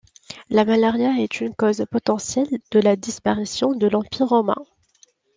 La malaria est une cause potentielle de la disparition de l'Empire romain.